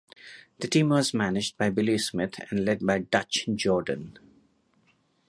The team was managed by Billy Smith and led by Dutch Jordan.